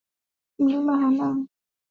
Mlima Hanang ni mlima unaoshika nafasi ya saba